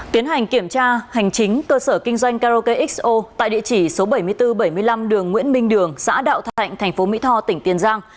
tiến hành kiểm tra hành chính cơ sở kinh doanh karaoke xo tại địa chỉ số bảy nghìn bốn trăm bảy mươi năm đường nguyễn minh đường xã đạo thạnh thành phố mỹ tho tỉnh tiền giang